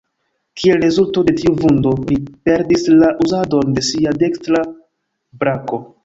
Kiel rezulto de tiu vundo, li perdis la uzadon de sia dekstra brako.